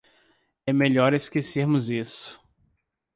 É melhor esquecermos isso.